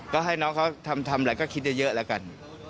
ก็ให้น้องเขาทำอะไรก็คิดเยอะแล้วกัน